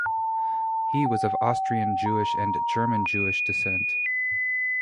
He was of Austrian-Jewish and German Jewish descent.